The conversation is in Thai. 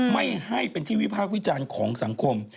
ไม่ให้เป็นที่วิพากษ์วิจารณ์ของสังคม